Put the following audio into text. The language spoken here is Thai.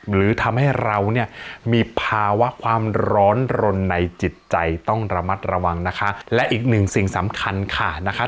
หรือทำให้เราเนี่ยมีภาวะความร้อนรนในจิตใจต้องระมัดระวังนะคะและอีกหนึ่งสิ่งสำคัญค่ะนะคะ